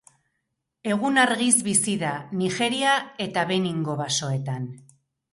Egun-argiz bizi da, Nigeria eta Beningo basoetan.